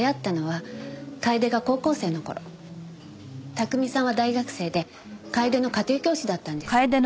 巧さんは大学生で楓の家庭教師だったんです。